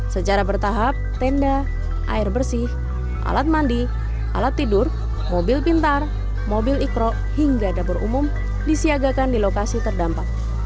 secara bertahap tenda air bersih alat mandi alat tidur mobil pintar mobil ikro hingga dapur umum disiagakan di lokasi terdampak